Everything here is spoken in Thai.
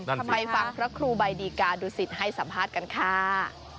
ทำไมฟังครัวครูใบดีการดูสิทธิ์ให้สัมภาษณ์กันคะ